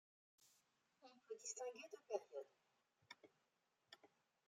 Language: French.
On peut distinguer deux périodes.